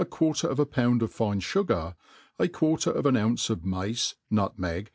quarcer of a pound of fine fugar, a quarter of an ounce of mace, nutmeg.